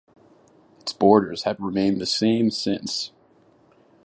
Its borders have remained the same since.